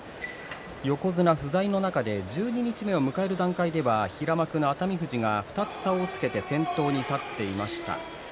横綱不在の中で、十二日目を迎える段階で平幕の熱海富士が２つ差をつけて先頭に立っていました。